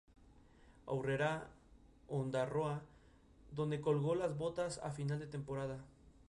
Aurrera Ondarroa, donde colgó las botas a final de temporada.